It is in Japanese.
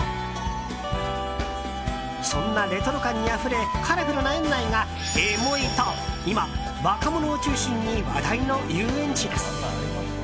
そんなレトロ感にあふれカラフルな園内がエモいと今、若者を中心に話題の遊園地です。